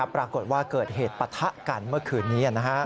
ปรากฏว่าเกิดเหตุปะทะกันเมื่อคืนนี้